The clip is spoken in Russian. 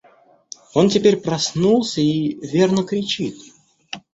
Он теперь проснулся и, верно, кричит.